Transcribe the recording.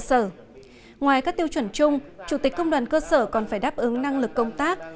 sở ngoài các tiêu chuẩn chung chủ tịch công đoàn cơ sở còn phải đáp ứng năng lực công tác